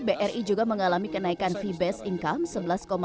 bri juga mengalami kenaikan fee based income